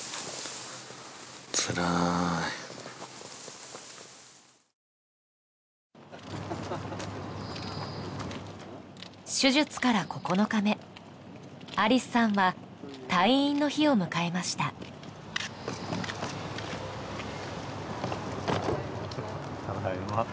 つらい手術から９日目ありすさんは退院の日を迎えましたお帰りなさい